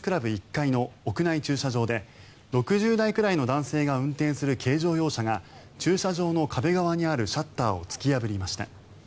１階の屋内駐車場で６０代くらいの男性が運転する軽乗用車が駐車場の壁側にあるシャッターを突き破りました。